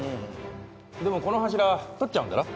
でもこの柱取っちゃうんだろ？